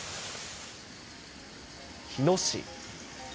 日野市。